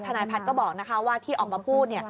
นายพัฒน์ก็บอกว่าที่ออกมาพูด